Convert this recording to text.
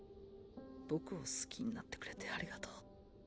僕を好きになってくれてありがとう。